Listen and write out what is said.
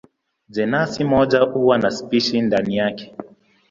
Jenasi moja huwa na spishi ndani yake.